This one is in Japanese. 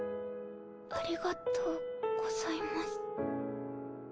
ありがとうございます。